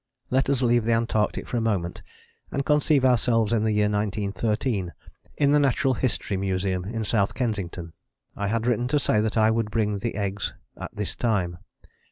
Let us leave the Antarctic for a moment and conceive ourselves in the year 1913 in the Natural History Museum in South Kensington. I had written to say that I would bring the eggs at this time.